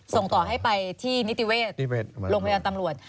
ส่งต่อให้ไปที่นิติเวชโรงพยาบาลตำรวจ